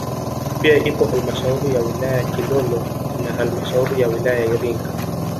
Pia ipo halmashauri ya wilaya ya Kilolo na halmashauri ya wilaya ya Iringa